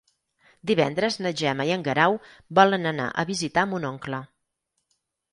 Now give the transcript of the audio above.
Divendres na Gemma i en Guerau volen anar a visitar mon oncle.